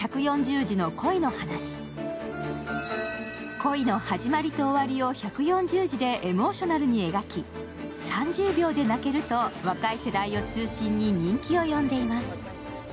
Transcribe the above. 恋の始まりと終わりを１４０字でエモーショナルに描き、３０秒で泣けると若い世代を中心に人気を呼んでいます。